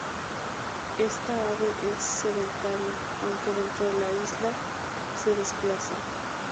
Esta ave es sedentaria, aunque dentro de la isla se desplaza.